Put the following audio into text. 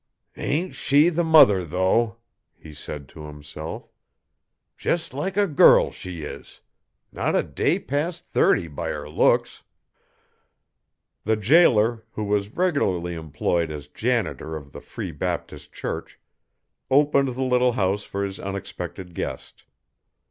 "Ain't she the mother, though?" he said to himself. "Just like a girl she is not a day past thirty by her looks!" The jailer, who was regularly employed as janitor of the Free Baptist Church, opened the little house for his unexpected guest.